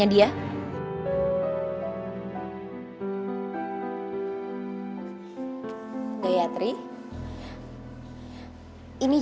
kedua duanya nyari begini